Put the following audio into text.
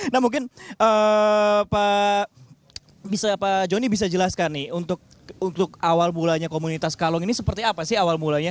nah mungkin pak joni bisa jelaskan nih untuk awal mulanya komunitas kalong ini seperti apa sih awal mulanya